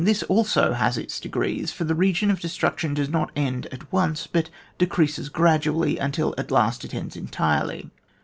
This also has its degrees, for the region of destruction does not end at once, but decreases gradually, until at last it ends entirely.